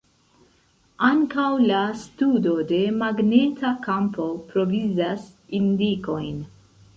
Ankaŭ la studo de magneta kampo provizas indikojn.